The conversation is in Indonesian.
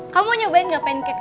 kamu mau nyobain gak pancake aku